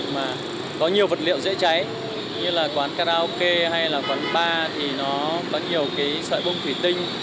mà có nhiều vật liệu dễ cháy như là quán karaoke hay là quán bar thì nó có nhiều cái sợi bông thủy tinh